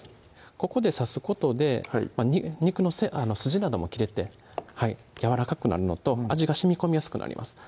ここで刺すことで肉の筋なども切れてやわらかくなるのと味がしみこみやすくなります